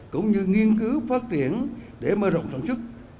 cũng như nghiên cứu phát triển để mơ rộng sản xuất